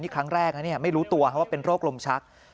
นี่ครั้งแรกนะเนี่ยไม่รู้ตัวเพราะเป็นโรคลมชัก